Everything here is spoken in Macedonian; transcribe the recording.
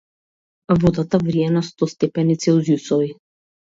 Водата врие на сто степени целзиусови.